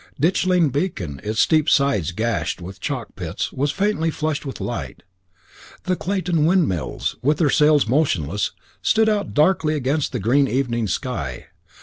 Ditchling beacon its steep sides gashed with chalk pits was faintly flushed with light. The Clayton windmills, with their sails motionless, stood out darkly against the green evening sky.